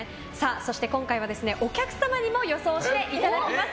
そして今回はお客様にも予想していただきます。